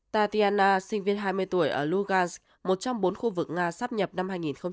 tatiana sinh viên hai mươi tuổi ở lugansk một trong bốn khu vực nga sắp nhập năm hai nghìn hai mươi hai